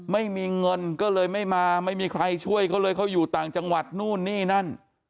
ไม่มีเงินก็เลยไม่มาไม่มีใครช่วยเขาเลยเขาอยู่ต่างจังหวัดนู่นนี่นั่น